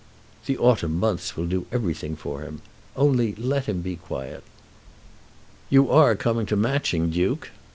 "The autumn months will do everything for him; only let him be quiet." "You are coming to Matching, Duke?"